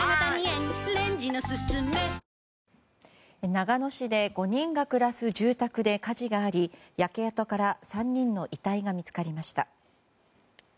長野市で５人が暮らす住宅で火事があり焼け跡から３人の遺体が見つかりました。